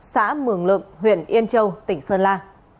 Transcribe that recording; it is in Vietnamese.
xã mường lợm huyện yên châu tỉnh sơn la